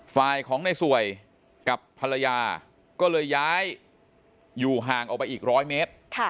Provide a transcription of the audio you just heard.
ฝ่ายของในสวยกับภรรยาก็เลยย้ายอยู่ห่างออกไปอีกร้อยเมตร